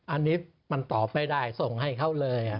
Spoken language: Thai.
อันนี้มันตอบไม่ได้ส่งให้เขาเลย